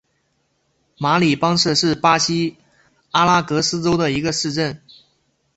马里邦杜是巴西阿拉戈斯州的一个市镇。